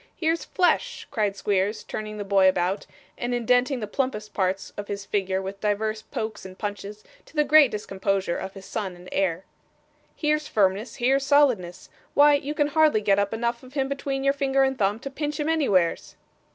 Here's flesh!' cried Squeers, turning the boy about, and indenting the plumpest parts of his figure with divers pokes and punches, to the great discomposure of his son and heir. 'Here's firmness, here's solidness! Why you can hardly get up enough of him between your finger and thumb to pinch him anywheres.